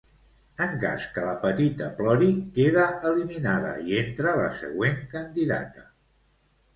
En cas que la petita plori, queda eliminada i entra la següent candidata.